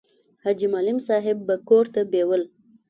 حاجي معلم صاحب به کور ته بېول.